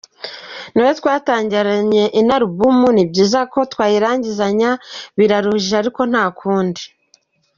Niwe twatangiranye ino album, ni byiza ko twayirangizanya, biraruhije ariko nta kundi”.